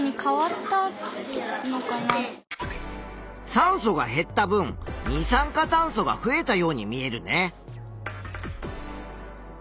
酸素が減った分二酸化炭素が増えたように見えるね。